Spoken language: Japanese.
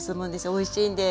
おいしいんです。